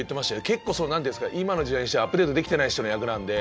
結構その何て言うんですか今の時代にしてはアップデートできてない人の役なんで。